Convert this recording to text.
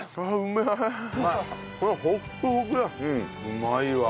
うまいわ。